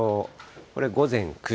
これ、午前９時。